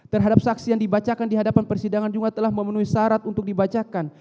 terhadap saksi yang dibacakan di hadapan persidangan juga telah memenuhi syarat untuk dibacakan